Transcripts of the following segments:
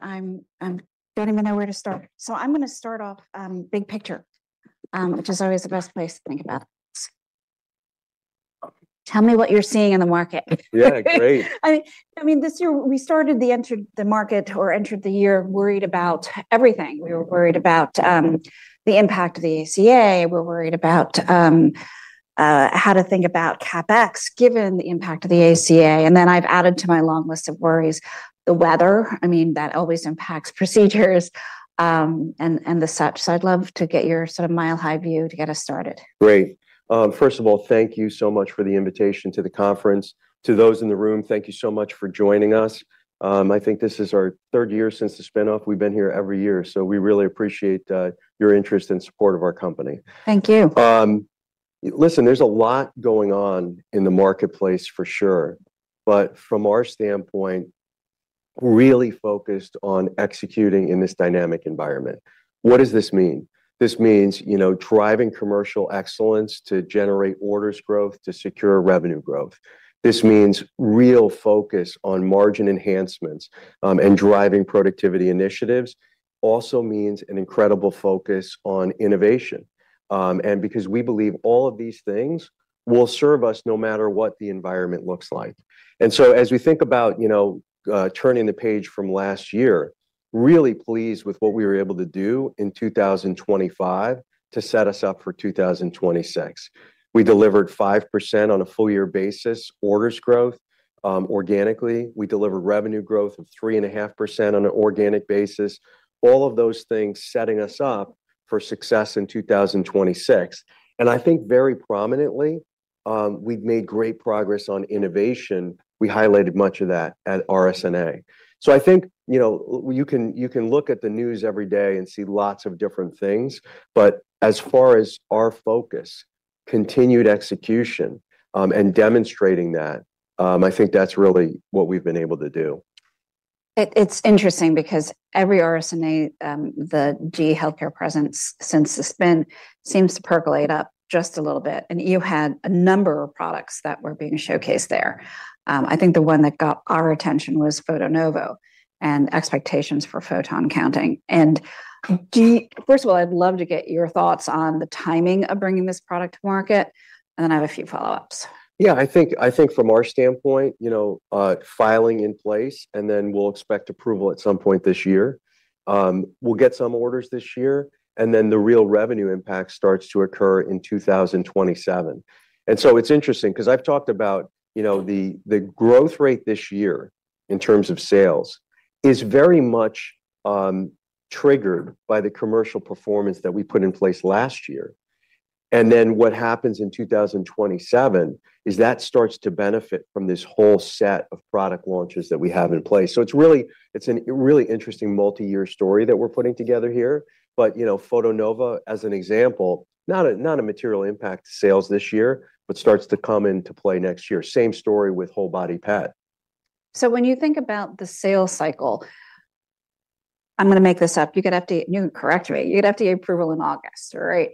I don't even know where to start. I'm gonna start off big picture, which is always the best place to think about this. Tell me what you're seeing in the market. Yeah, great. I mean, this year we entered the market or entered the year worried about everything. We were worried about the impact of the ACA. We're worried about how to think about CapEx, given the impact of the ACA. I've added to my long list of worries, the weather. I mean, that always impacts procedures, and the such. I'd love to get your sort of mile-high view to get us started. Great. First of all, thank you so much for the invitation to the conference. To those in the room, thank you so much for joining us. I think this is our third year since the spin-off. We've been here every year. We really appreciate your interest and support of our company. Thank you. Listen, there's a lot going on in the marketplace for sure, but from our standpoint, really focused on executing in this dynamic environment. What does this mean? This means, you know, driving commercial excellence to generate orders growth, to secure revenue growth. This means real focus on margin enhancements, and driving productivity initiatives. Also means an incredible focus on innovation. Because we believe all of these things will serve us no matter what the environment looks like. As we think about, you know, turning the page from last year, really pleased with what we were able to do in 2025 to set us up for 2026. We delivered 5% on a full year basis, orders growth. Organically, we delivered revenue growth of 3.5% on an organic basis. All of those things setting us up for success in 2026. I think very prominently, we've made great progress on innovation. We highlighted much of that at RSNA. I think, you know, you can look at the news every day and see lots of different things, but as far as our focus, continued execution, and demonstrating that, I think that's really what we've been able to do. It, it's interesting because every RSNA, the GE HealthCare presence, since the spin, seems to percolate up just a little bit, and you had a number of products that were being showcased there. I think the one that got our attention was Photonova Spectra and expectations for photon counting. GE HealthCare, first of all, I'd love to get your thoughts on the timing of bringing this product to market, and then I have a few follow-ups. Yeah, I think from our standpoint, you know, filing in place, we'll expect approval at some point this year. We'll get some orders this year, the real revenue impact starts to occur in 2027. It's interesting because I've talked about, you know, the growth rate this year in terms of sales is very much triggered by the commercial performance that we put in place last year. What happens in 2027 is that starts to benefit from this whole set of product launches that we have in place. It's a really interesting multi-year story that we're putting together here. You know, Photonova, as an example, not a material impact to sales this year, but starts to come into play next year. Same story with whole body PET. When you think about the sales cycle, I'm gonna make this up, you can correct me. You get FDA approval in August, right?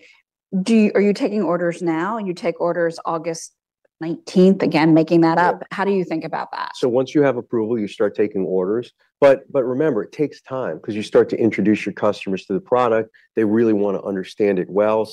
Are you taking orders now, and you take orders August 19th? Again, making that up. Yeah. How do you think about that? Once you have approval, you start taking orders. Remember, it takes time because you start to introduce your customers to the product. They really want to understand it well.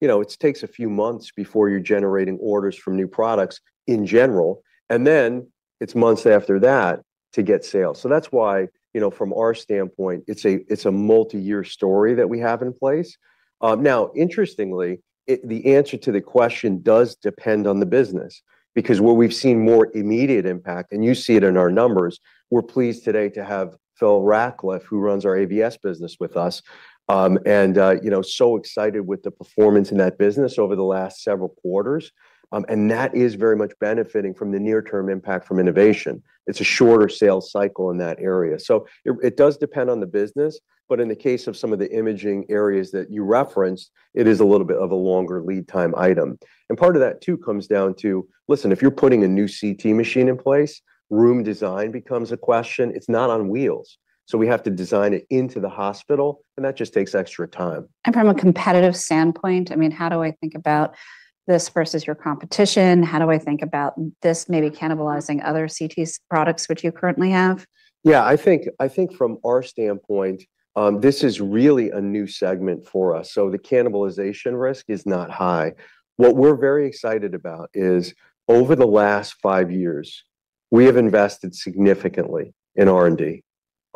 You know, it takes a few months before you're generating orders from new products in general, and then it's months after that to get sales. That's why, you know, from our standpoint, it's a multi-year story that we have in place. Now, interestingly, the answer to the question does depend on the business, because where we've seen more immediate impact, and you see it in our numbers, we're pleased today to have Phil Rackliffe, who runs our AVS business with us, and, you know, so excited with the performance in that business over the last several quarters. That is very much benefiting from the near-term impact from innovation. It's a shorter sales cycle in that area. It does depend on the business, but in the case of some of the imaging areas that you referenced, it is a little bit of a longer lead time item. Part of that, too, comes down to, listen, if you're putting a new CT machine in place, room design becomes a question. It's not on wheels, so we have to design it into the hospital, and that just takes extra time. From a competitive standpoint, I mean, how do I think about this versus your competition? How do I think about this maybe cannibalizing other CT products which you currently have? I think from our standpoint, this is really a new segment for us, so the cannibalization risk is not high. What we're very excited about is, over the last five years, we have invested significantly in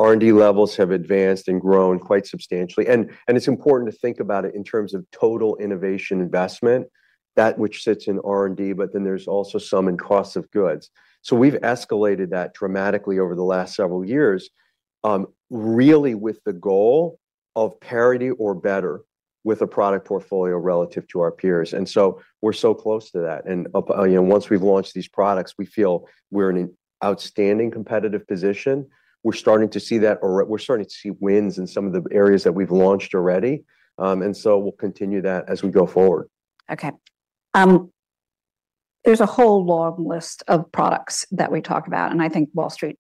R&D. R&D levels have advanced and grown quite substantially, and it's important to think about it in terms of total innovation investment, that which sits in R&D, but then there's also some in cost of goods. We've escalated that dramatically over the last several years, really with the goal of parity or better with a product portfolio relative to our peers. We're so close to that, and, you know, once we've launched these products, we feel we're in an outstanding competitive position. We're starting to see that or we're starting to see wins in some of the areas that we've launched already. We'll continue that as we go forward. There's a whole long list of products that we talk about, and I think Wall Street,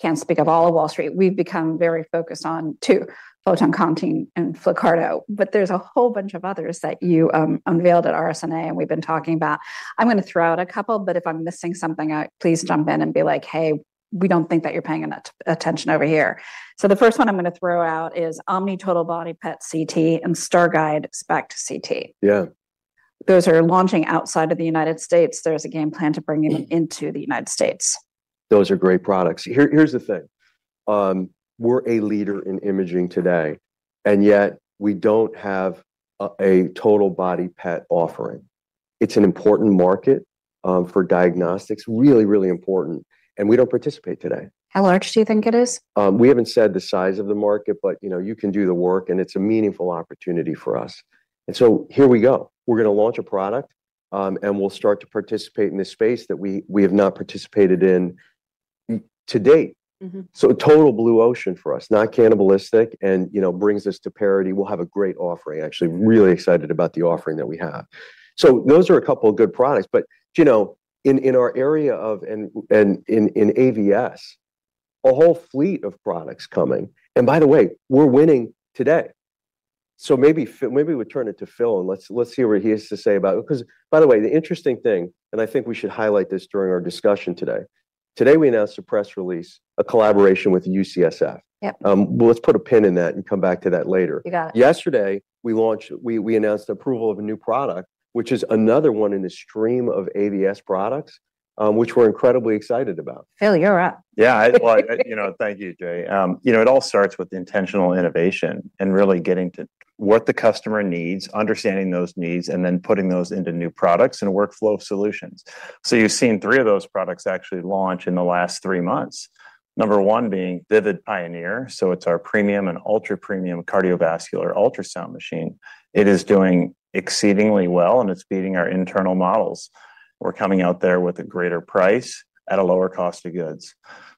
can't speak of all Wall Street. We've become very focused on two, photon counting and Flyrcado, but there's a whole bunch of others that you unveiled at RSNA, and we've been talking about. I'm gonna throw out a couple, but if I'm missing something out, please jump in and be like: "Hey, we don't think that you're paying enough attention over here." The first one I'm gonna throw out is Omni Total Body PET/CT and StarGuide SPECT/CT. Yeah. Those are launching outside of the United States. There's a game plan to bring it into the United States. Those are great products. Here's the thing. We're a leader in imaging today, and yet we don't have a total body PET offering. It's an important market, for diagnostics, really, really important, and we don't participate today. How large do you think it is? We haven't said the size of the market, you know, you can do the work, and it's a meaningful opportunity for us. Here we go. We're gonna launch a product. We'll start to participate in this space that we have not participated in to date. Mm-hmm. A total blue ocean for us, not cannibalistic and, you know, brings us to parity. We'll have a great offering, actually. Really excited about the offering that we have. Those are a couple of good products, but, you know, in our area of and in AVS, a whole fleet of products coming, and by the way, we're winning today. Maybe we turn it to Phil, and let's hear what he has to say about it. Because by the way, the interesting thing, and I think we should highlight this during our discussion today, we announced a press release, a collaboration with UCSF. Yep. Let's put a pin in that and come back to that later. You got it. Yesterday, we announced approval of a new product, which is another one in a stream of AVS products, which we're incredibly excited about. Phil, you're up. Yeah, well, you know, thank you, Jay. You know, it all starts with intentional innovation and really getting to what the customer needs, understanding those needs, and then putting those into new products and workflow solutions. You've seen three of those products actually launch in the last three months. Number one being Vivid Pioneer, so it's our premium and ultra-premium cardiovascular ultrasound machine. It is doing exceedingly well, and it's beating our internal models. We're coming out there with a greater price at a lower cost of goods.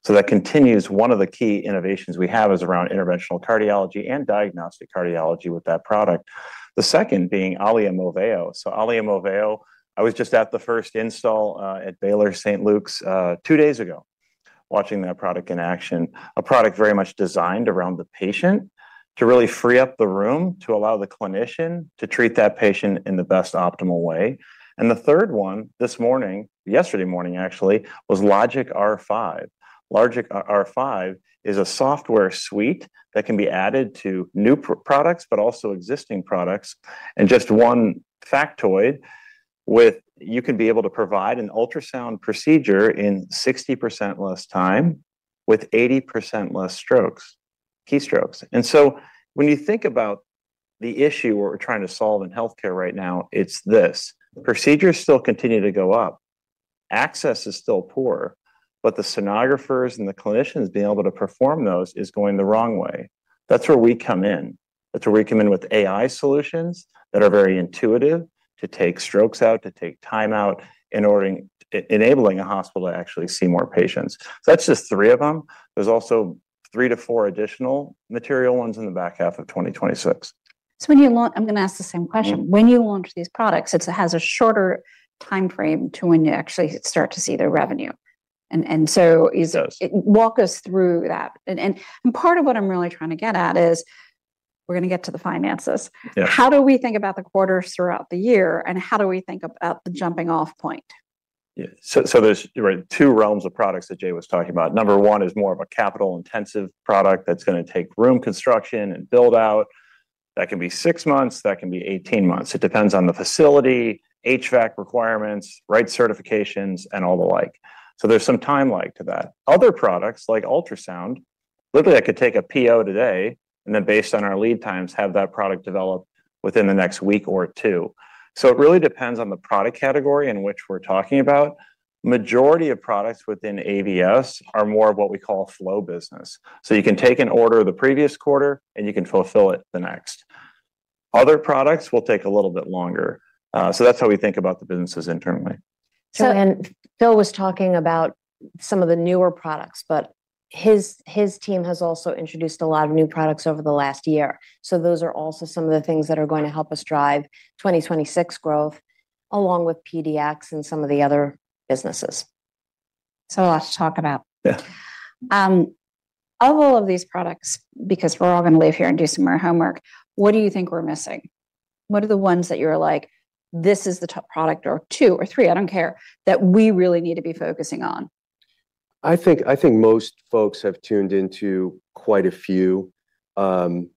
That continues. One of the key innovations we have is around interventional cardiology and diagnostic cardiology with that product. The second being Allia Moveo. Allia Moveo, I was just at the first install, at Baylor St. Luke's, two days ago, watching that product in action, a product very much designed around the patient to really free up the room, to allow the clinician to treat that patient in the best optimal way. The third one, this morning, yesterday morning, actually, was LOGIQ R5. LOGIQ R5 is a software suite that can be added to new products but also existing products. Just one factoid, you can be able to provide an ultrasound procedure in 60% less time with 80% less strokes, keystrokes. When you think about the issue we're trying to solve in healthcare right now, it's this: procedures still continue to go up, access is still poor, but the sonographers and the clinicians being able to perform those is going the wrong way. That's where we come in. That's where we come in with AI solutions that are very intuitive, to take strokes out, to take time out, in order enabling a hospital to actually see more patients. That's just three of them. There's also three to four additional material ones in the back half of 2026. I'm gonna ask the same question. Mm-hmm. When you launch these products, it has a shorter timeframe to when you actually start to see the revenue. Yes Walk us through that. Part of what I'm really trying to get at is we're gonna get to the finances. Yeah. How do we think about the quarters throughout the year, and how do we think about the jumping-off point? There's, right, two realms of products that Jay was talking about. Number one is more of a capital-intensive product that's gonna take room construction and build out. That can be six months, that can be 18 months. It depends on the facility, HVAC requirements, right certifications, and all the like. There's some timeline to that. Other products, like ultrasound, literally, I could take a PO today, and then based on our lead times, have that product developed within the next week or two. It really depends on the product category in which we're talking about. Majority of products within AVS are more of what we call flow business. You can take an order the previous quarter, and you can fulfill it the next. Other products will take a little bit longer. That's how we think about the businesses internally. So- Phil was talking about some of the newer products, but his team has also introduced a lot of new products over the last year. Those are also some of the things that are going to help us drive 2026 growth, along with PDx and some of the other businesses. A lot to talk about. Yeah. Of all of these products, because we're all gonna leave here and do some more homework, what do you think we're missing? What are the ones that you're like, "This is the top product," or two or three, I don't care, that we really need to be focusing on? I think most folks have tuned into quite a few, and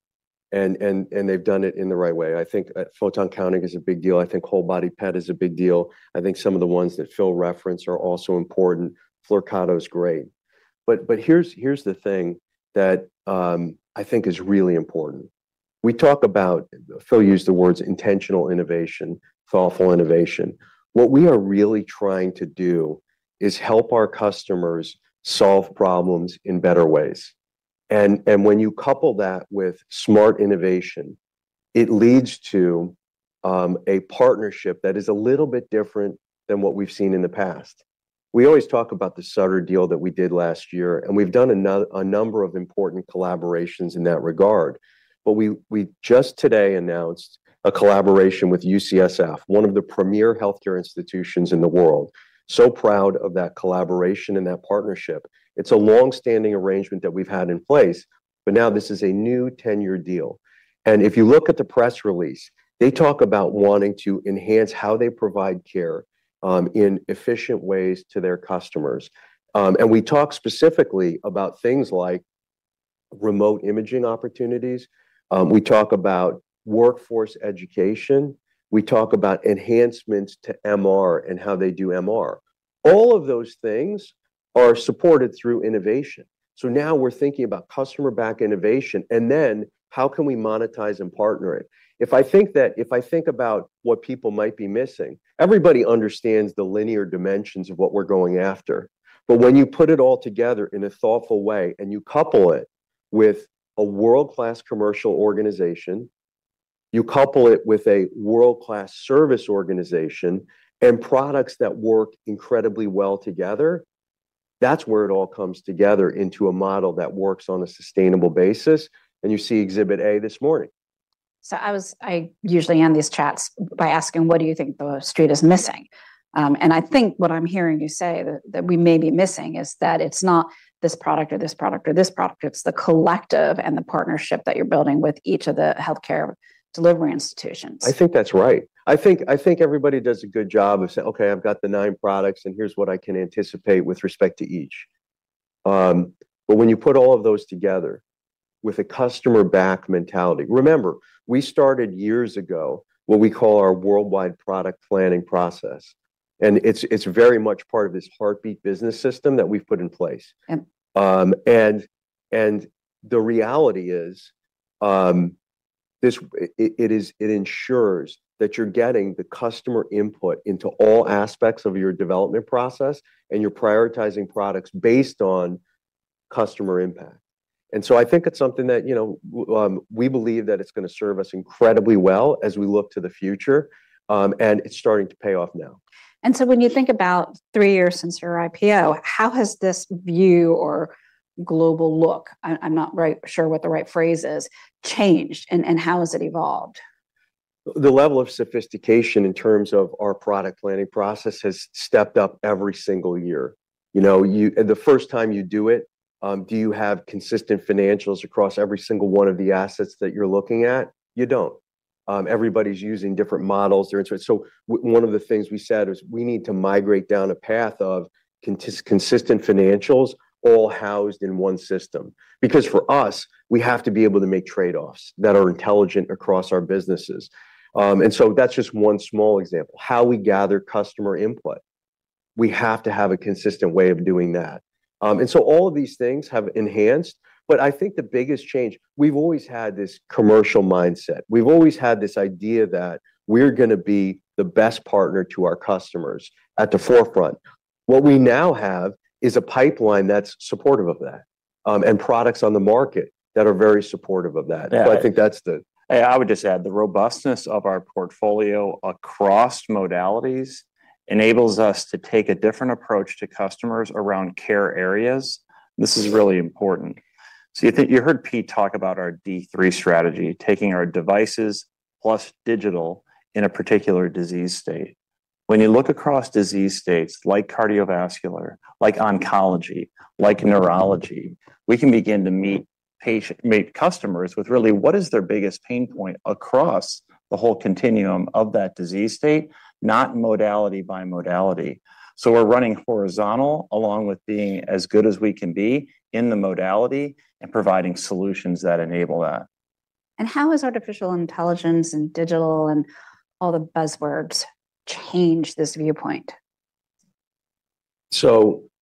they've done it in the right way. I think photon counting is a big deal. I think whole body PET is a big deal. I think some of the ones that Phil referenced are also important. Flyrcado is great. Here's the thing that I think is really important. We talk about Phil used the words intentional innovation, thoughtful innovation. What we are really trying to do is help our customers solve problems in better ways. When you couple that with smart innovation, it leads to a partnership that is a little bit different than what we've seen in the past. We always talk about the Sutter deal that we did last year, and we've done a number of important collaborations in that regard. We just today announced a collaboration with UCSF, one of the premier healthcare institutions in the world. Proud of that collaboration and that partnership. It's a long-standing arrangement that we've had in place, but now this is a new 10-year deal. If you look at the press release, they talk about wanting to enhance how they provide care in efficient ways to their customers. We talk specifically about things like remote imaging opportunities, we talk about workforce education, we talk about enhancements to MR and how they do MR. All of those things are supported through innovation. Now we're thinking about customer-backed innovation, and then how can we monetize and partner it? If I think about what people might be missing, everybody understands the linear dimensions of what we're going after. When you put it all together in a thoughtful way, and you couple it with a world-class commercial organization, you couple it with a world-class service organization and products that work incredibly well together, that's where it all comes together into a model that works on a sustainable basis, and you see Exhibit A this morning. I usually end these chats by asking, what do you think the street is missing? I think what I'm hearing you say, that we may be missing, is that it's not this product or this product or this product. It's the collective and the partnership that you're building with each of the healthcare delivery institutions. I think that's right. I think everybody does a good job of saying, "Okay, I've got the nine products, and here's what I can anticipate with respect to each." When you put all of those together with a customer-backed mentality. Remember, we started years ago, what we call our worldwide product planning process, and it's very much part of this Heartbeat business system that we've put in place. Yep. And the reality is, it ensures that you're getting the customer input into all aspects of your development process, and you're prioritizing products based on customer impact. I think it's something that, you know, we believe that it's gonna serve us incredibly well as we look to the future, and it's starting to pay off now. When you think about three years since your IPO, how has this view or global look, I'm not very sure what the right phrase is, changed, and how has it evolved? The level of sophistication in terms of our product planning process has stepped up every single year. You know, the first time you do it, do you have consistent financials across every single one of the assets that you're looking at? You don't. Everybody's using different models, they're interested. One of the things we said is we need to migrate down a path of consistent financials, all housed in one system. For us, we have to be able to make trade-offs that are intelligent across our businesses. That's just one small example, how we gather customer input. We have to have a consistent way of doing that. All of these things have enhanced. I think the biggest change, we've always had this commercial mindset. We've always had this idea that we're gonna be the best partner to our customers at the forefront. What we now have is a pipeline that's supportive of that, and products on the market that are very supportive of that. Yeah. I think that's. I would just add, the robustness of our portfolio across modalities enables us to take a different approach to customers around care areas. This is really important. You heard Pete talk about our D3 strategy, taking our devices plus digital in a particular disease state. When you look across disease states like cardiovascular, like oncology, like neurology, we can begin to meet customers with really what is their biggest pain point across the whole continuum of that disease state, not modality by modality. We're running horizontal, along with being as good as we can be in the modality and providing solutions that enable that. How has artificial intelligence and digital and all the buzzwords changed this viewpoint?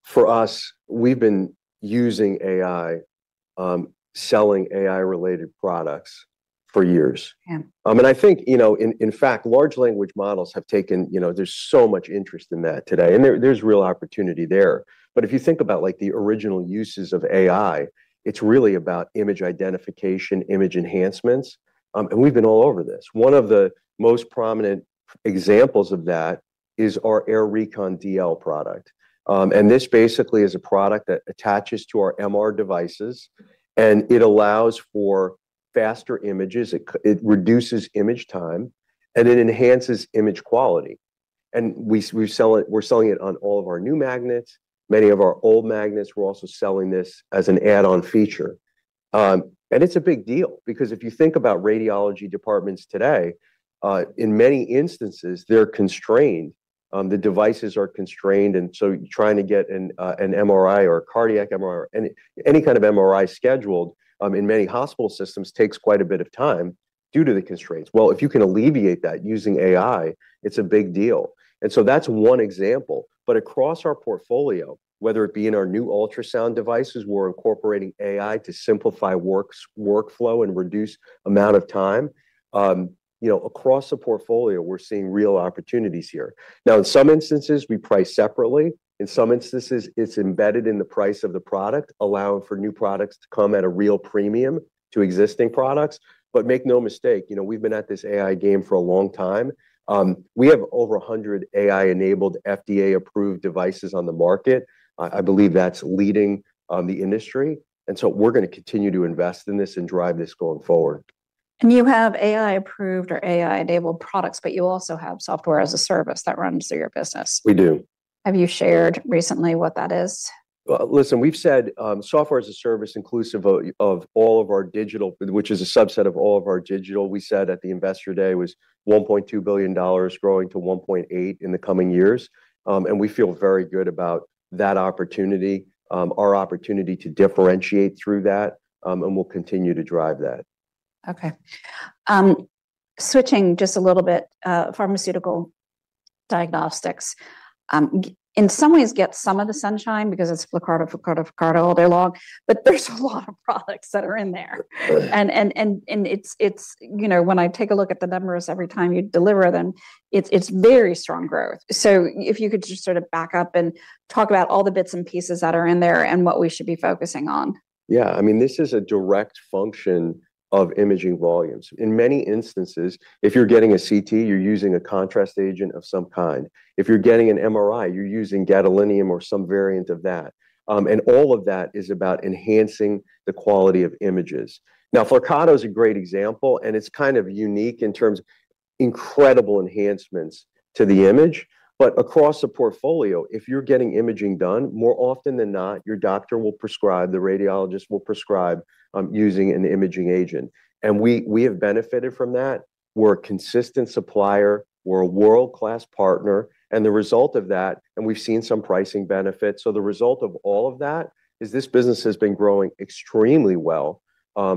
For us, we've been using AI, selling AI-related products for years. Yeah. I think, you know, in fact, large language models have taken-- you know, there's so much interest in that today, and there's real opportunity there. If you think about, like, the original uses of AI, it's really about image identification, image enhancements, and we've been all over this. One of the most prominent examples of that is our AIR Recon DL product. This basically is a product that attaches to our MR devices, and it allows for faster images, it reduces image time, and it enhances image quality. We're selling it on all of our new magnets. Many of our old magnets, we're also selling this as an add-on feature. It's a big deal because if you think about radiology departments today, in many instances, they're constrained, the devices are constrained, trying to get an MRI or a cardiac MR, any kind of MRI scheduled, in many hospital systems takes quite a bit of time due to the constraints. Well, if you can alleviate that using AI, it's a big deal. That's one example. Across our portfolio, whether it be in our new ultrasound devices, we're incorporating AI to simplify workflow and reduce amount of time. You know, across the portfolio, we're seeing real opportunities here. In some instances, we price separately. In some instances, it's embedded in the price of the product, allowing for new products to come at a real premium to existing products. Make no mistake, you know, we've been at this AI game for a long time. We have over 100 AI-enabled, FDA-approved devices on the market. I believe that's leading the industry, and so we're gonna continue to invest in this and drive this going forward. You have AI-approved or AI-enabled products, but you also have software as a service that runs through your business. We do. Have you shared recently what that is? Well, listen, we've said software as a service, inclusive of all of our digital, which is a subset of all of our digital, we said at the Investor Day was $1.2 billion growing to $1.8 billion in the coming years. We feel very good about that opportunity, our opportunity to differentiate through that, and we'll continue to drive that. Okay. Switching just a little bit, pharmaceutical diagnostics, in some ways get some of the sunshine because it's Flyrcado, Flyrcado all day long, but there's a lot of products that are in there. Right. It's, you know, when I take a look at the numbers, every time you deliver them, it's very strong growth. If you could just sort of back up and talk about all the bits and pieces that are in there and what we should be focusing on. Yeah. I mean, this is a direct function of imaging volumes. In many instances, if you're getting a CT, you're using a contrast agent of some kind. If you're getting an MRI, you're using gadolinium or some variant of that. All of that is about enhancing the quality of images. Now, Flyrcado is a great example, and it's kind of unique in terms of incredible enhancements to the image. Across the portfolio, if you're getting imaging done, more often than not, your doctor will prescribe, the radiologist will prescribe, using an imaging agent. We have benefited from that. We're a consistent supplier, we're a world-class partner, and the result of that. We've seen some pricing benefits. The result of all of that is this business has been growing extremely well,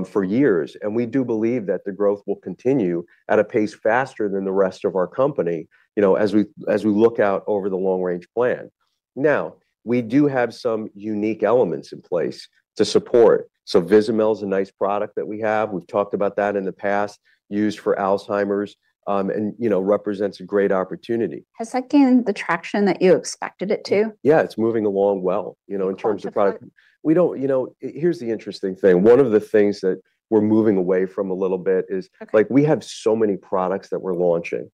for years, and we do believe that the growth will continue at a pace faster than the rest of our company, you know, as we, as we look out over the long-range plan. Now, we do have some unique elements in place to support. Vizamyl is a nice product that we have. We've talked about that in the past, used for Alzheimer's, and, you know, represents a great opportunity. Has that gained the traction that you expected it to? Yeah, it's moving along well, you know. Qualitatively? You know, here's the interesting thing. One of the things that we're moving away from a little bit. Okay... like, we have so many products that we're launching.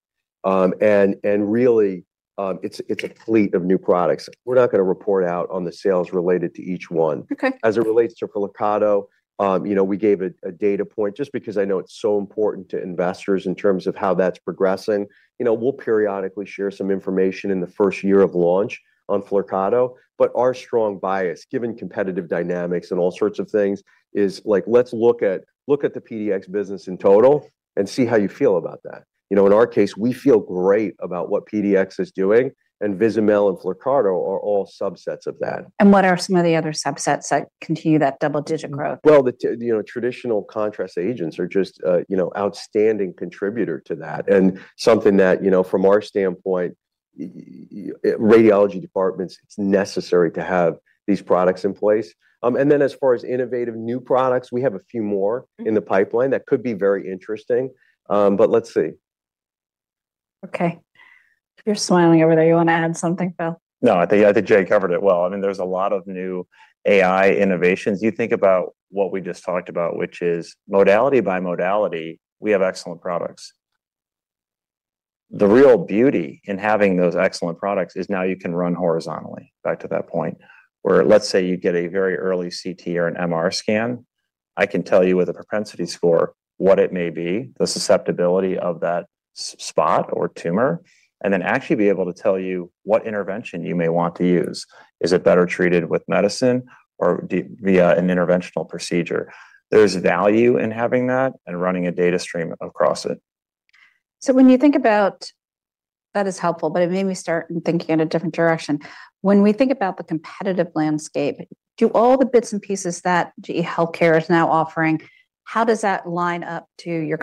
Really, it's a fleet of new products. We're not going to report out on the sales related to each one. Okay. As it relates to Flyrcado, you know, we gave a data point just because I know it's so important to investors in terms of how that's progressing. You know, we'll periodically share some information in the first year of launch on Flyrcado, but our strong bias, given competitive dynamics and all sorts of things, is, like, let's look at the PDx business in total and see how you feel about that. You know, in our case, we feel great about what PDx is doing, and Vizamyl and Flyrcado are all subsets of that. What are some of the other subsets that continue that double-digit growth? Well, the you know, traditional contrast agents are just, you know, outstanding contributor to that, and something that, you know, from our standpoint, radiology departments, it's necessary to have these products in place. As far as innovative new products, we have a few more. Mm... in the pipeline that could be very interesting, but let's see. Okay. You're smiling over there. You want to add something, Phil? No, I think Jay covered it well. I mean, there's a lot of new AI innovations. You think about what we just talked about, which is modality by modality, we have excellent products. The real beauty in having those excellent products is now you can run horizontally, back to that point, where let's say you get a very early CT or an MR scan, I can tell you with a propensity score, what it may be, the susceptibility of that spot or tumor, and then actually be able to tell you what intervention you may want to use. Is it better treated with medicine or via an interventional procedure? There's value in having that and running a data stream across it. That is helpful, but it made me start thinking in a different direction. When we think about the competitive landscape, do all the bits and pieces that GE HealthCare is now offering, how does that line up to your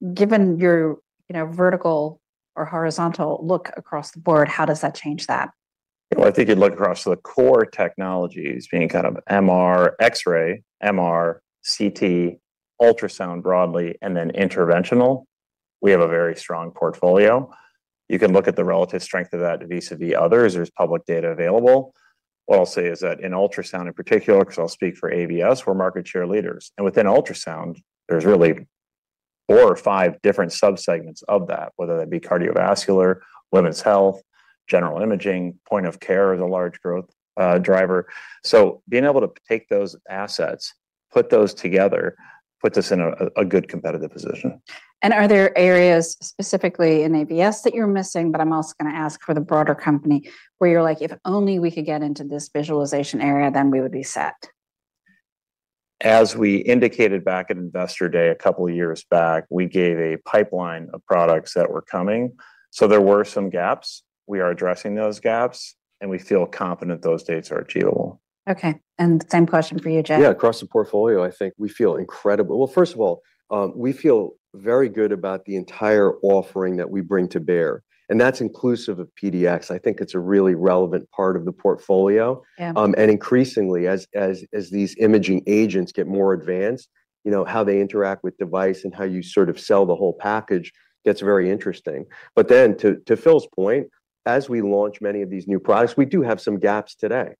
competitors? Given your, you know, vertical or horizontal look across the board, how does that change that? I think you'd look across the core technologies being kind of MR, X-ray, MR, CT, ultrasound broadly, and then interventional. We have a very strong portfolio. You can look at the relative strength of that vis-à-vis others. There's public data available. What I'll say is that in ultrasound in particular, because I'll speak for ABUS, we're market share leaders. Within ultrasound, there's really four or five different subsegments of that, whether that be cardiovascular, women's health, general imaging, point of care is a large growth driver. Being able to take those assets, put those together, puts us in a good competitive position. Are there areas specifically in ABUS that you're missing, but I'm also going to ask for the broader company, where you're like: If only we could get into this visualization area, then we would be set? As we indicated back at Investor Day, a couple of years back, we gave a pipeline of products that were coming, so there were some gaps. We are addressing those gaps, and we feel confident those dates are achievable. Okay, same question for you, Jay. Yeah, across the portfolio, I think we feel incredible. Well, first of all, we feel very good about the entire offering that we bring to bear, and that's inclusive of PDx. I think it's a really relevant part of the portfolio. Yeah. Increasingly, as these imaging agents get more advanced, you know, how they interact with device and how you sort of sell the whole package gets very interesting. To Phil's point, as we launch many of these new products, we do have some gaps today.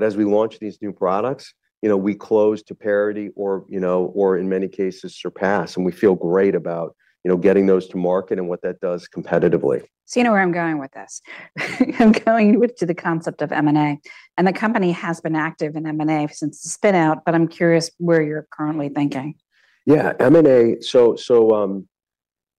As we launch these new products, you know, we close to parity or, you know, or in many cases, surpass, and we feel great about, you know, getting those to market and what that does competitively. You know where I'm going with this. I'm going with, to the concept of M&A, and the company has been active in M&A since the spin-out, but I'm curious where you're currently thinking. Yeah, M&A, so,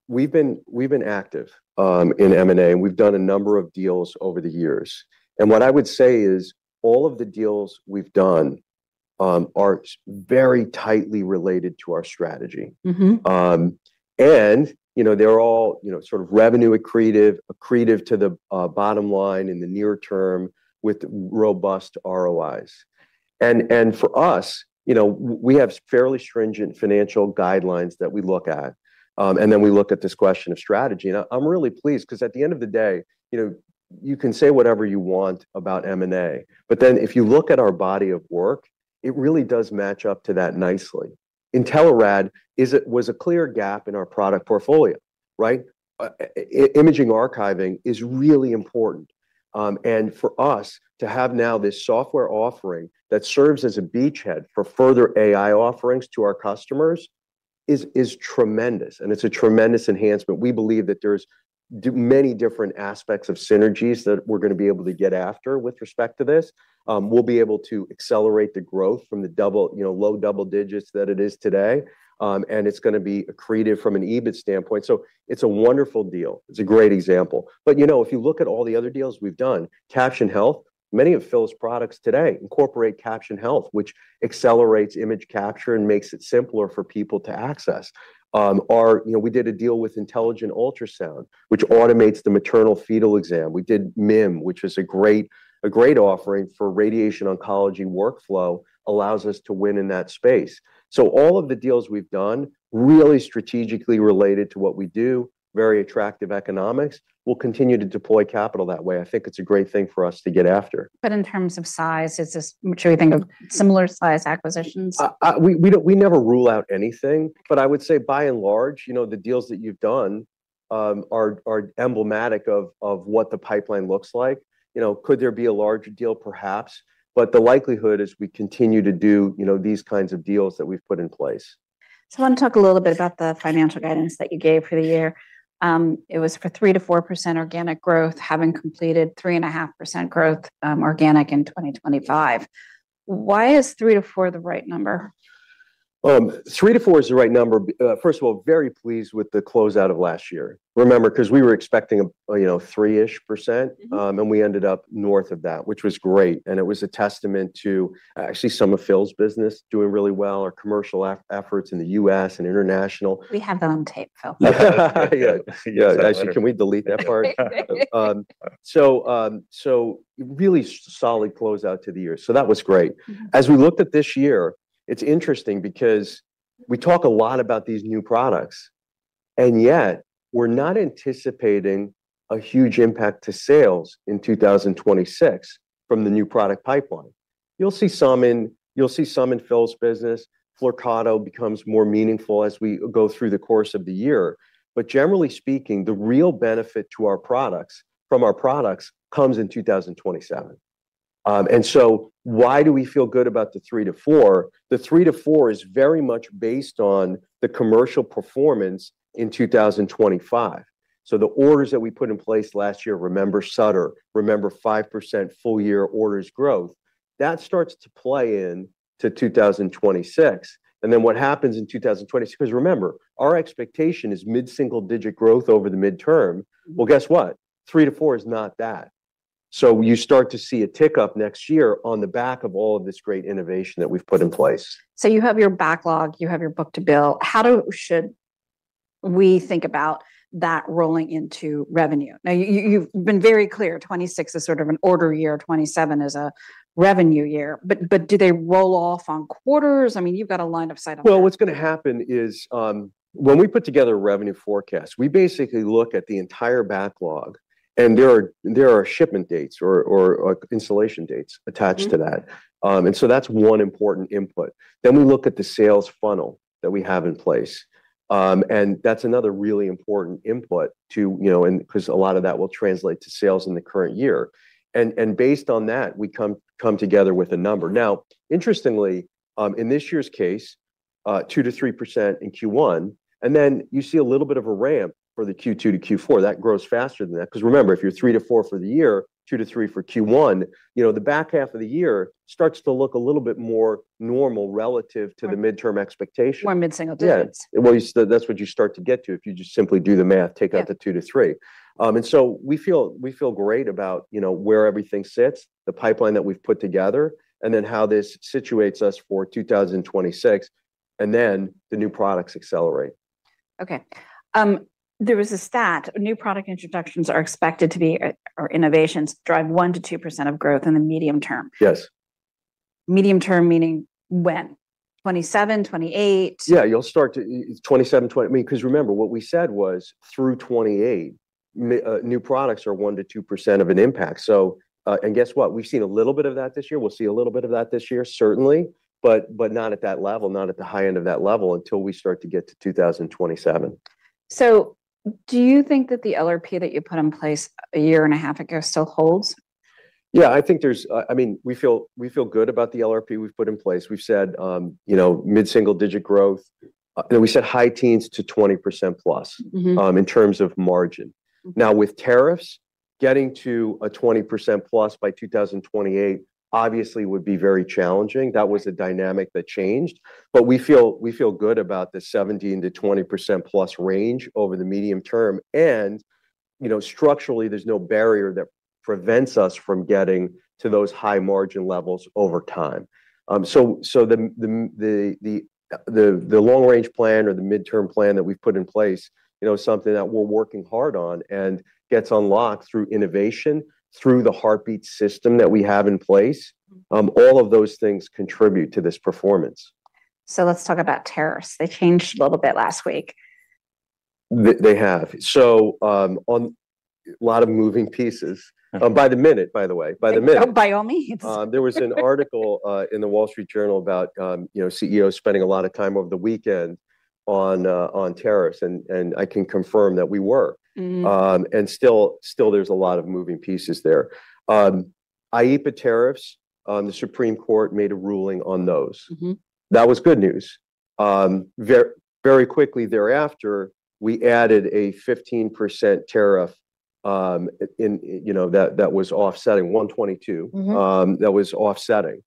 we've been active in M&A, and we've done a number of deals over the years. What I would say is, all of the deals we've done are very tightly related to our strategy. Mm-hmm. You know, they're all, you know, sort of revenue accretive to the bottom line in the near term, with robust ROIs. For us, you know, we have fairly stringent financial guidelines that we look at. We look at this question of strategy, I'm really pleased, 'cause at the end of the day, you know, you can say whatever you want about M&A, if you look at our body of work, it really does match up to that nicely. Intelerad was a clear gap in our product portfolio, right? Imaging archiving is really important, for us to have now this software offering that serves as a beachhead for further AI offerings to our customers is tremendous, and it's a tremendous enhancement. We believe that there's many different aspects of synergies that we're gonna be able to get after with respect to this. We'll be able to accelerate the growth from the double, you know, low double digits that it is today, and it's gonna be accretive from an EBIT standpoint. It's a wonderful deal. It's a great example. You know, if you look at all the other deals we've done, Caption Health, many of Phil's products today incorporate Caption Health, which accelerates image capture and makes it simpler for people to access. You know, we did a deal with Intelligent Ultrasound, which automates the maternal fetal exam. We did MIM, which is a great, a great offering for radiation oncology workflow, allows us to win in that space. All of the deals we've done, really strategically related to what we do, very attractive economics. We'll continue to deploy capital that way. I think it's a great thing for us to get after. In terms of size, should we think of similar-size acquisitions? We never rule out anything, but I would say, by and large, you know, the deals that you've done, are emblematic of what the pipeline looks like. You know, could there be a larger deal? Perhaps. The likelihood is we continue to do, you know, these kinds of deals that we've put in place. I want to talk a little bit about the financial guidance that you gave for the year. It was for 3%-4% organic growth, having completed 3.5% growth, organic in 2025. Why is 3%-4% the right number? 3%-4% is the right number. First of all, very pleased with the closeout of last year. Remember, 'cause we were expecting, you know, 3%. Mm-hmm. We ended up north of that, which was great, and it was a testament to actually some of Phil's business doing really well, our commercial efforts in the U.S. and international. We have that on tape, Phil. Yeah. Yeah, actually, can we delete that part? Really solid close out to the year, so that was great. Mm-hmm. As we looked at this year, it's interesting because we talk a lot about these new products, yet we're not anticipating a huge impact to sales in 2026 from the new product pipeline. You'll see some in Phil's business. Flyrcado becomes more meaningful as we go through the course of the year. Generally speaking, the real benefit from our products comes in 2027. Why do we feel good about the 3%-4%? The 3%-4% is very much based on the commercial performance in 2025. The orders that we put in place last year, remember Sutter, remember 5% full-year orders growth, that starts to play in to 2026. What happens in 2026...? Because remember, our expectation is mid-single-digit growth over the midterm. Well, guess what? 3%-4% is not that. You start to see a tick-up next year on the back of all of this great innovation that we've put in place. You have your backlog, you have your book to build. How should we think about that rolling into revenue? You've been very clear, 2026 is sort of an order year, 2027 is a revenue year. Do they roll off on quarters? I mean, you've got a line of sight on that. What's gonna happen is when we put together a revenue forecast, we basically look at the entire backlog, and there are shipment dates or installation dates. Mm-hmm... attached to that. That's 1 important input. We look at the sales funnel that we have in place, and that's another really important input to. You know, and because a lot of that will translate to sales in the current year. Based on that, we come together with a number. Interestingly, in this year's case, 2%-3% in Q1, and then you see a little bit of a ramp for the Q2-Q4. That grows faster than that, because remember, if you're 3%-4% for the year, 2%-3% for Q1, you know, the back half of the year starts to look a little bit more normal relative. Right... to the midterm expectation. More mid-single digits. Yeah. Well, that's what you start to get to if you just simply do the math... Yeah take out the 2%-3%. We feel great about, you know, where everything sits, the pipeline that we've put together, how this situates us for 2026, the new products accelerate. There was a stat, new product introductions are expected to be, or innovations, drive 1%-2% of growth in the medium term. Yes. Medium term meaning when? 2027, 2028? Yeah, you'll start to 2027. I mean, because remember, what we said was through 2028, new products are 1%-2% of an impact. Guess what? We've seen a little bit of that this year. We'll see a little bit of that this year, certainly, but not at that level, not at the high end of that level, until we start to get to 2027. Do you think that the LRP that you put in place a year and a half ago still holds? Yeah, I think there's, I mean, we feel good about the LRP we've put in place. We've said, you know, mid-single-digit growth. We said high teens to 20%+. Mm-hmm... in terms of margin. Mm-hmm. Now, getting to a 20%+ by 2028, obviously, would be very challenging. That was a dynamic that changed, but we feel good about the 17%-20%+ range over the medium term. You know, structurally, there's no barrier that prevents us from getting to those high margin levels over time. The long-range plan or the midterm plan that we've put in place, you know, is something that we're working hard on and gets unlocked through innovation, through the Heartbeat system that we have in place. All of those things contribute to this performance. Let's talk about tariffs. They changed a little bit last week. They have. A lot of moving pieces. Okay. By the minute, by the way, by the minute. Oh, by all means. There was an article in The Wall Street Journal about, you know, CEOs spending a lot of time over the weekend on tariffs, and I can confirm that we were. Mm-hmm. Still there's a lot of moving pieces there. IEEPA tariffs, the Supreme Court made a ruling on those. Mm-hmm. That was good news. very quickly thereafter, we added a 15% tariff, in, you know, that was offsetting 122-. Mm-hmm... that was offsetting.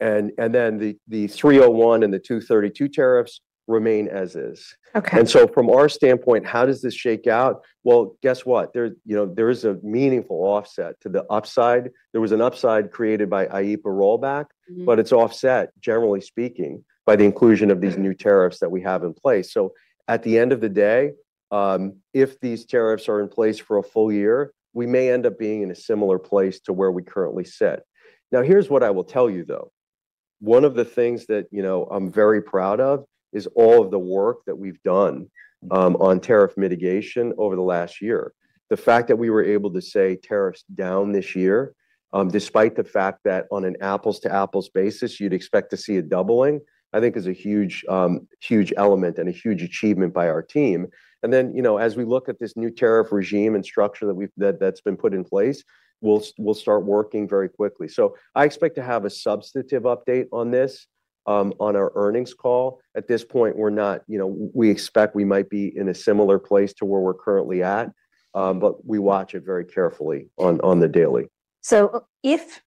The 301 and the 232 tariffs remain as is. Okay. From our standpoint, how does this shake out? Well, guess what? There, you know, there is a meaningful offset to the upside. There was an upside created by IEEPA rollback- Mm-hmm... but it's offset, generally speaking, by the inclusion of these new tariffs that we have in place. At the end of the day, if these tariffs are in place for a full year, we may end up being in a similar place to where we currently sit. Here's what I will tell you, though. One of the things that, you know, I'm very proud of is all of the work that we've done on tariff mitigation over the last year. The fact that we were able to say, "Tariffs down this year," despite the fact that on an apples-to-apples basis, you'd expect to see a doubling, I think is a huge, huge element and a huge achievement by our team. You know, as we look at this new tariff regime and structure that's been put in place, we'll start working very quickly. I expect to have a substantive update on this on our earnings call. At this point, we're not... You know, we expect we might be in a similar place to where we're currently at, but we watch it very carefully on the daily. If,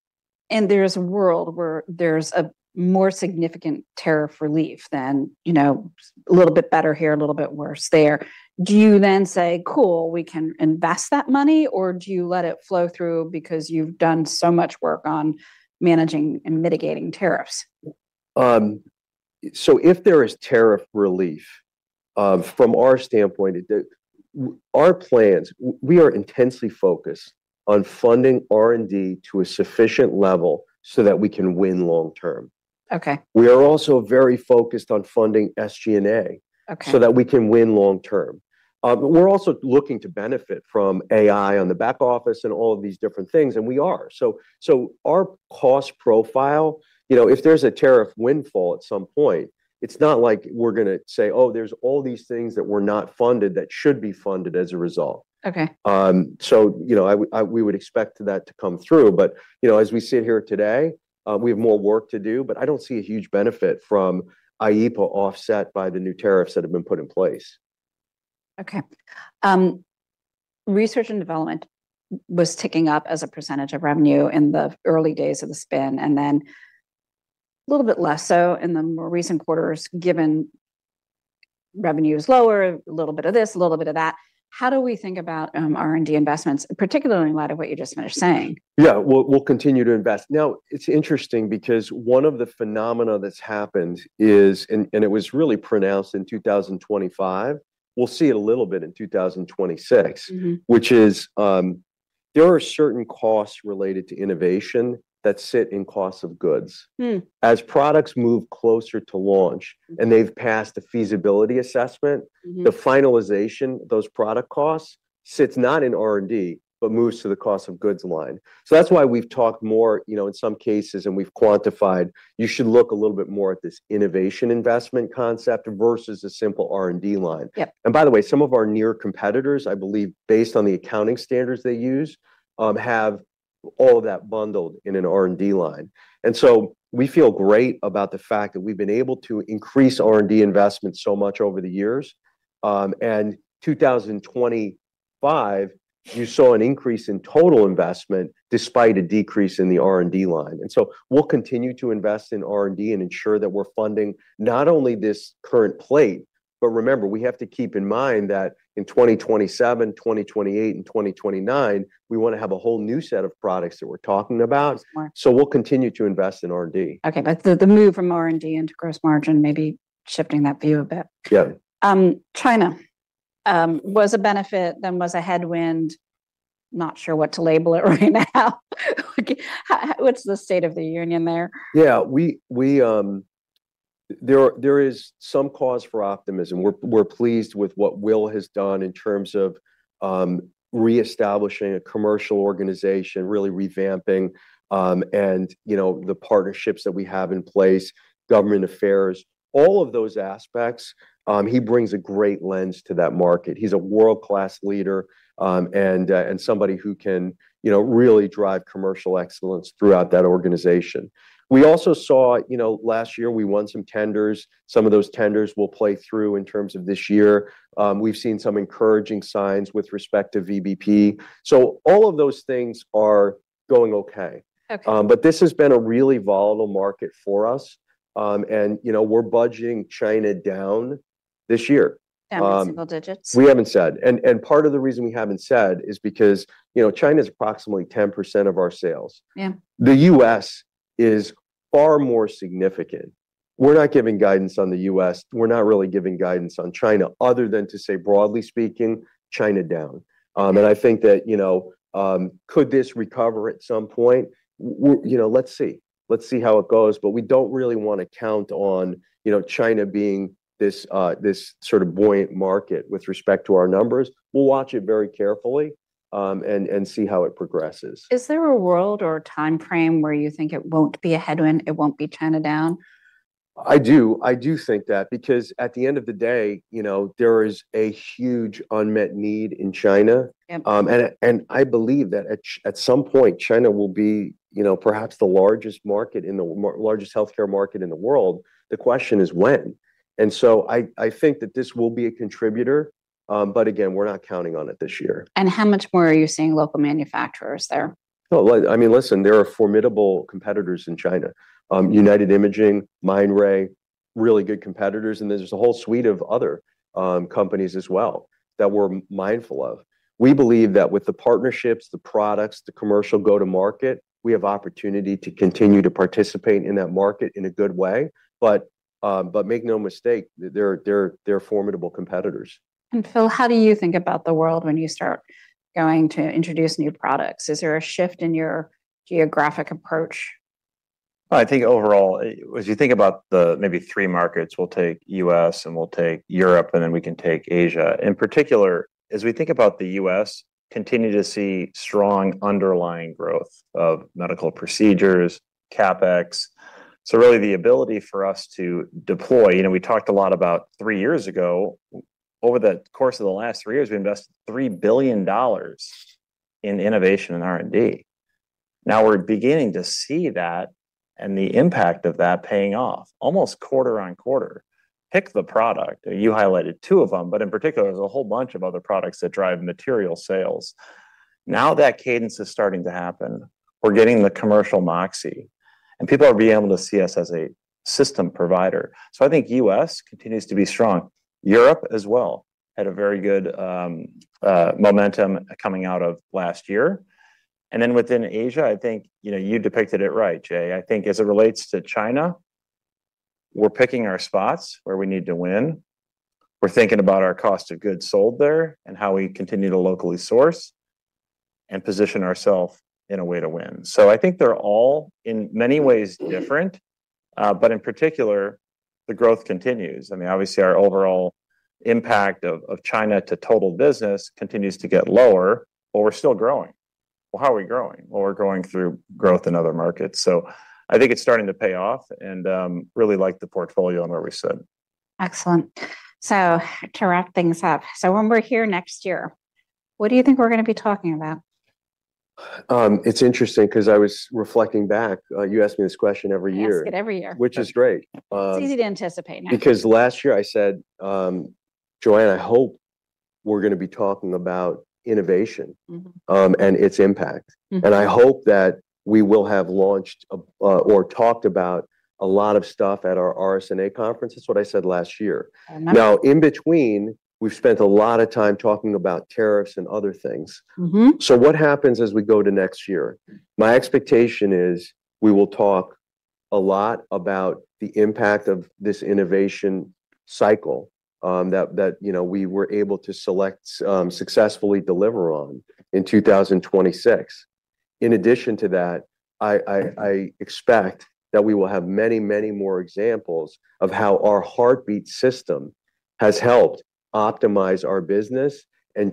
and there's a world where there's a more significant tariff relief than, you know, a little bit better here, a little bit worse there, do you then say, "Cool, we can invest that money," or do you let it flow through because you've done so much work on managing and mitigating tariffs? If there is tariff relief, from our standpoint, we are intensely focused on funding R&D to a sufficient level so that we can win long term. Okay. We are also very focused on funding SG&A. Okay So that we can win long term. We're also looking to benefit from AI on the back office and all of these different things, and we are. Our cost profile, you know, if there's a tariff windfall at some point, it's not like we're gonna say, "Oh, there's all these things that were not funded that should be funded as a result. Okay. You know, we would expect that to come through, but, you know, as we sit here today, we have more work to do, but I don't see a huge benefit from IEEPA offset by the new tariffs that have been put in place. Okay. Research and development was ticking up as a percentage of revenue in the early days of the spin, and then a little bit less so in the more recent quarters, given revenue is lower, a little bit of this, a little bit of that. How do we think about R&D investments, particularly in light of what you just finished saying? Yeah. We'll continue to invest. Now, it's interesting because one of the phenomena that's happened is, and it was really pronounced in 2025, we'll see it a little bit in 2026- Mm-hmm... which is, there are certain costs related to innovation that sit in costs of goods. Hmm. As products move closer to launch, and they've passed a feasibility assessment... Mm-hmm... the finalization, those product costs, sits not in R&D, but moves to the cost of goods line. That's why we've talked more, you know, in some cases, and we've quantified, you should look a little bit more at this innovation investment concept versus a simple R&D line. Yep. By the way, some of our near competitors, I believe, based on the accounting standards they use, have all of that bundled in an R&D line. We feel great about the fact that we've been able to increase R&D investment so much over the years. 2025, you saw an increase in total investment despite a decrease in the R&D line. We'll continue to invest in R&D and ensure that we're funding not only this current plate, but remember, we have to keep in mind that in 2027, 2028, and 2029, we wanna have a whole new set of products that we're talking about. Smart. We'll continue to invest in R&D. Okay, the move from R&D into gross margin, maybe shifting that view a bit. Yeah. China, was a benefit, then was a headwind. Not sure what to label it right now. how what's the state of the union there? Yeah, there is some cause for optimism. We're pleased with what Will has done in terms of reestablishing a commercial organization, really revamping, and, you know, the partnerships that we have in place, government affairs, all of those aspects, he brings a great lens to that market. He's a world-class leader, and somebody who can, you know, really drive commercial excellence throughout that organization. We also saw, you know, last year we won some tenders. Some of those tenders will play through in terms of this year. We've seen some encouraging signs with respect to VBP. All of those things are going okay. Okay. This has been a really volatile market for us. You know, we're budging China this year. Down to single digits? We haven't said, and part of the reason we haven't said is because, you know, China's approximately 10% of our sales. Yeah. The U.S. is far more significant. We're not giving guidance on the U.S., we're not really giving guidance on China, other than to say, broadly speaking, China down. I think that, you know, could this recover at some point? You know, let's see. Let's see how it goes, we don't really want to count on, you know, China being this sort of buoyant market with respect to our numbers. We'll watch it very carefully, and see how it progresses. Is there a world or a time frame where you think it won't be a headwind, it won't be China down? I do. I do think that, because at the end of the day, you know, there is a huge unmet need in China. Yeah. I believe that at some point, China will be, you know, perhaps the largest market in the largest healthcare market in the world. The question is when? I think that this will be a contributor, again, we're not counting on it this year. How much more are you seeing local manufacturers there? Oh, well, I mean, listen, there are formidable competitors in China. United Imaging, Mindray, really good competitors, and there's a whole suite of other companies as well that we're mindful of. We believe that with the partnerships, the products, the commercial go-to-market, we have opportunity to continue to participate in that market in a good way, but make no mistake, they're formidable competitors. Phil, how do you think about the world when you start going to introduce new products? Is there a shift in your geographic approach? I think overall, as you think about the maybe three markets, we'll take U.S., and we'll take Europe, and then we can take Asia. In particular, as we think about the U.S., continue to see strong underlying growth of medical procedures, CapEx. Really, the ability for us to deploy... You know, we talked a lot about three years ago. Over the course of the last three years, we invested $3 billion in innovation and R&D. Now we're beginning to see that and the impact of that paying off almost quarter-on-quarter. Pick the product, you highlighted two of them, but in particular, there's a whole bunch of other products that drive material sales. Now that cadence is starting to happen. We're getting the commercial moxie, and people are being able to see us as a system provider. I think U.S. continues to be strong. Europe as well, had a very good momentum coming out of last year. Within Asia, I think, you know, you depicted it right, Jay. I think as it relates to China, we're picking our spots where we need to win. We're thinking about our cost of goods sold there and how we continue to locally source and position ourselves in a way to win. I think they're all in many ways different, but in particular, the growth continues. I mean, obviously, our overall impact of China to total business continues to get lower, but we're still growing. Well, how are we growing? Well, we're growing through growth in other markets. I think it's starting to pay off, and really like the portfolio and where we sit. Excellent. To wrap things up, so when we're here next year, what do you think we're gonna be talking about? It's interesting because I was reflecting back. You ask me this question every year. I ask it every year. Which is great. It's easy to anticipate now. Last year I said: Joanne, I hope we're gonna be talking about innovation- Mm-hmm. Its impact. Mm-hmm. I hope that we will have launched, or talked about a lot of stuff at our RSNA conference. That's what I said last year. I know. In between, we've spent a lot of time talking about tariffs and other things. Mm-hmm. What happens as we go to next year? My expectation is we will talk a lot about the impact of this innovation cycle, that, you know, we were able to select, successfully deliver on in 2026. In addition to that, I expect that we will have many more examples of how our Heartbeat system has helped optimize our business and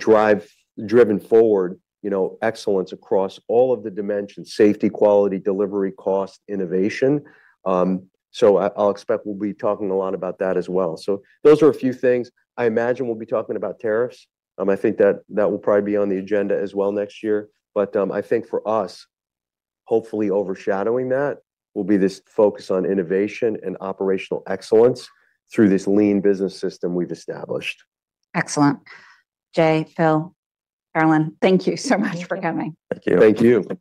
driven forward, you know, excellence across all of the dimensions: safety, quality, delivery, cost, innovation. I'll expect we'll be talking a lot about that as well. Those are a few things. I imagine we'll be talking about tariffs. I think that will probably be on the agenda as well next year. I think for us, hopefully overshadowing that, will be this focus on innovation and operational excellence through this lean business system we've established. Excellent. Jay, Phil, Carolyn, thank you so much for coming. Thank you. Thank you.